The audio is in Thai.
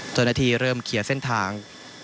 เจ้าหน้าที่เริ่มเคลียร์เส้นทาง